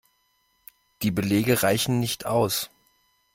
Die Belege reichen nicht aus.